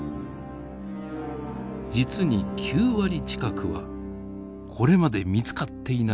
実に９割近くはこれまで見つかっていない